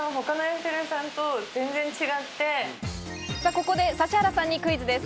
ここで指原さんにクイズです。